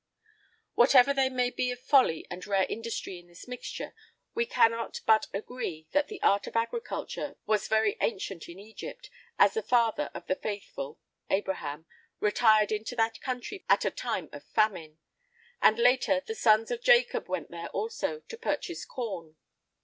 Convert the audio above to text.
[I 17] Whatever there may be of folly and rare industry in this mixture, we cannot but agree that the art of agriculture was very ancient in Egypt, as the father of the faithful Abraham retired into that country at a time of famine;[I 18] and, later, the sons of Jacob went there also to purchase corn.